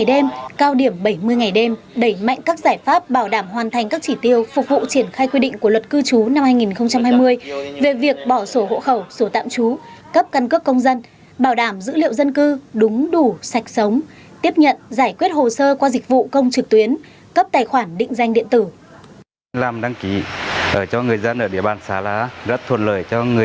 sau điểm bảy mươi ngày đêm đẩy mạnh các giải pháp bảo đảm hoàn thành các chỉ tiêu phục vụ triển khai quy định của luật cư trú năm hai nghìn hai mươi về việc bỏ sổ hộ khẩu sổ tạm trú cấp căn cước công dân bảo đảm dữ liệu dân cư đúng đủ sạch sống tiếp nhận giải quyết hồ sơ qua dịch vụ công trực tuyến cấp tài khoản định danh điện tử